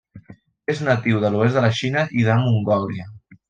És natiu de l'oest de la Xina i de Mongòlia.